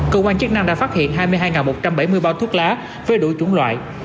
cơ quan chức năng đã phát hiện hai mươi hai một trăm bảy mươi bao thuốc lá với đủ chủng loại